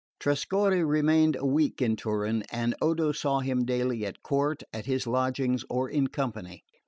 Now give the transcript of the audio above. Trescorre remained a week in Turin; and Odo saw him daily at court, at his lodgings, or in company.